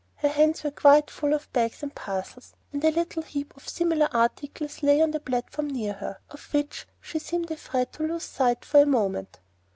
Her hands were quite full of bags and parcels, and a little heap of similar articles lay on the platform near her, of which she seemed afraid to lose sight for a moment.